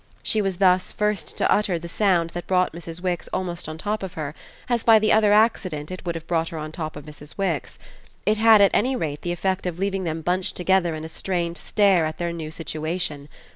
She was thus first to utter the sound that brought Mrs. Wix almost on top of her, as by the other accident it would have brought her on top of Mrs. Wix. It had at any rate the effect of leaving them bunched together in a strained stare at their new situation.